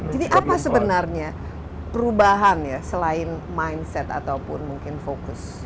jadi apa sebenarnya perubahan ya selain mindset ataupun mungkin fokus